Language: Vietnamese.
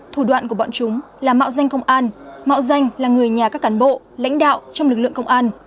thủ đoạn của bọn chúng là mạo danh công an mạo danh là người nhà các cán bộ lãnh đạo trong lực lượng công an